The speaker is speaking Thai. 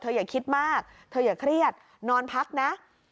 อย่าคิดมากเธออย่าเครียดนอนพักนะ